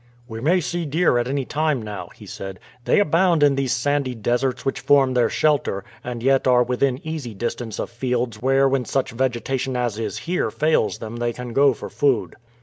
"We may see deer at any time now," he said. "They abound in these sandy deserts which form their shelter, and yet are within easy distance of fields where when such vegetation as is here fails them they can go for food."